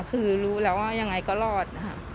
คือรู้แล้วอย่างไรก็รอด